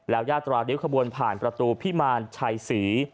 แล้วยาตราริวควรผ่านประตูพิมานชายสี